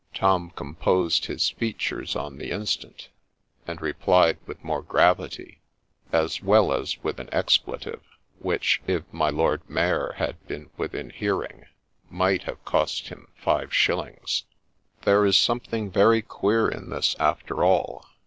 Tom composed his features on the instant, and replied with more gravity, as well as with an ex pletive, which, if my Lord Mayor had been within hearing, might have cost him five shillings. ' There is something very queer in this, after all.